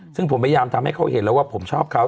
ซึ่งผมพยายามทำให้เขาเห็นแล้วว่าผมชอบเขา